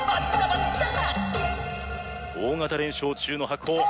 大型連勝中の白鵬。